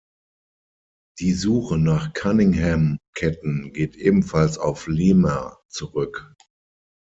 Die Suche nach Cunningham-Ketten geht ebenfalls auf Lehmer zurück.